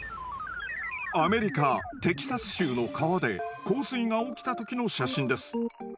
アメリカテキサス州の川で洪水が起きた時の写真です。